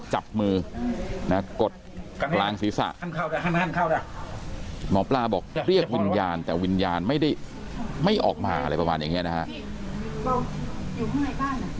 จับมือนะกดกลางศีรษะหมอปลาบอกเรียกวิญญาณแต่วิญญาณไม่ได้ไม่ออกมาอะไรประมาณอย่างนี้นะฮะ